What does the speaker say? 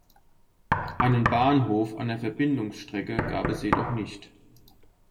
Einen Bahnhof an der Verbindungsstrecke gab es jedoch nicht.